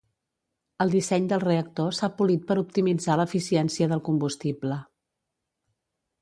El disseny del reactor s'ha polit per optimitzar l'eficiència del combustible.